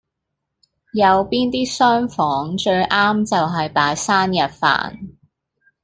右邊啲廂房最啱就喺擺生日飯